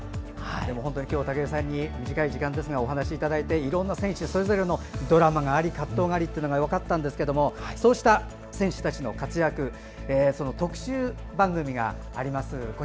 本当に今日、武井さんに短い時間ですがお話をいただいて、いろんな選手それぞれのドラマがあり葛藤がありと分かったんですけれどもそうした選手たちの活躍のその特集番組があります。